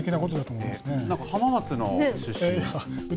なんか浜松のご出身と。